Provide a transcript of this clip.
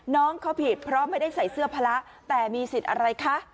น้องเขาผิดเพราะไม่ได้ใส่เสื้อพละแต่มีสิทธิ์อะไรคะ